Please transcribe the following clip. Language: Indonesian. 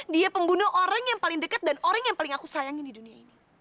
dia pembunuh orang yang paling dekat dan orang yang paling aku sayangin di dunia ini